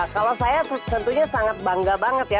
kalau saya tentunya sangat bangga banget ya